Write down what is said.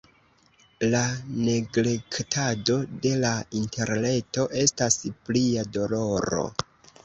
La neglektado de la interreto estas plia doloro.